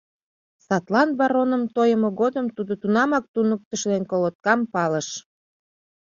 Садлан бароным тойымо годым тудо тунамак туныктышо ден колоткам палыш...